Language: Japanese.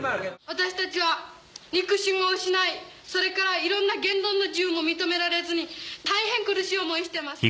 私たちは肉親を失いそれからいろんな言論の自由も認められずに大変苦しい思いしてます。